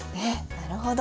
なるほど。